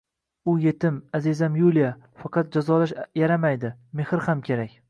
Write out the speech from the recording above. U yetim, azizam Yuliya… Faqat jazolash yaramaydi, mehr ham kerak.